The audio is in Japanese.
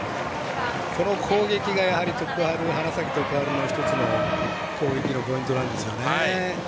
この攻撃が花咲徳栄の一つの攻撃のポイントなんです。